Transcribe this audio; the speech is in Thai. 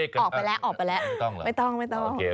ออกไปละไม่ต้องครับ